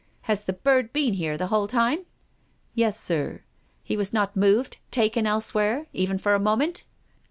" Has the bird been here the whole time? " "Yes, sir." " He was not moved, taken elsewhere, even for a moment